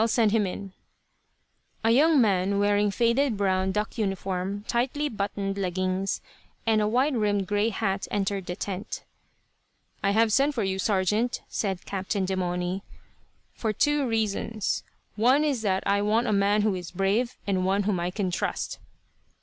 Send him in." A young man, wearing a faded brown duck uniform, tightly buttoned leggings, and a wide rimmed gray hat, entered the tent. "I have sent for you, sergeant," said Captain Demauny, "for two reasons. One is that I want a man who is brave, and one whom I can trust."